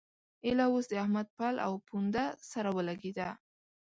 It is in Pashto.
ايله اوس د احمد پل او پونده سره ولګېده.